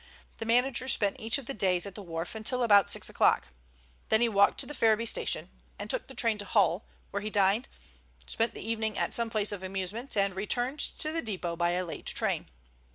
The manager spent each of the days at the wharf until about six o'clock. Then he walked to Ferriby Station and took the train to Hull, where he dined, spent the evening at some place of amusement, and returned to the depot by a late train.